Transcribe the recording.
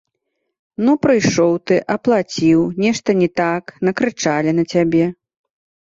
Ну, прыйшоў ты, аплаціў, нешта не так, накрычалі на цябе.